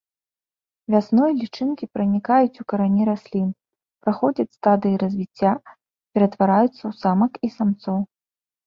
Вясной лічынкі пранікаюць у карані раслін, праходзяць стадыі развіцця, ператвараюцца ў самак і самцоў.